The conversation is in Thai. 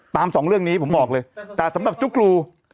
สองเรื่องนี้ผมบอกเลยแต่สำหรับจุ๊กรู